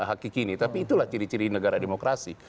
hakiki ini tapi itulah ciri ciri negara demokrasi